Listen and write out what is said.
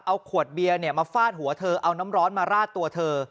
เอาขวดเบียร์มาฟาดหัวเธอเอาน้ำร้อนมาราดตัวเธอ